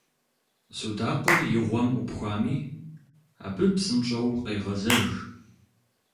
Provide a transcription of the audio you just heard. Судакъыр и гъуэм Ӏупхуами, абы псынщӀэу къегъэзэж.